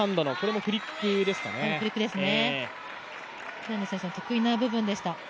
平野選手の得意な部分でした。